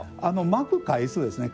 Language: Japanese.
巻く回数ですね